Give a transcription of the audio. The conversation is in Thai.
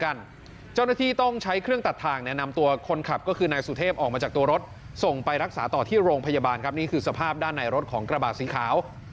ก็คือนายสุเทพออกมาจากตัวรถส่งไปรักษาต่อที่โรงพยาบาลครับนี่คือสภาพด้านในรถของกระบาดสีขาว